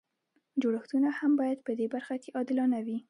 جوړښتونه هم باید په دې برخه کې عادلانه وي.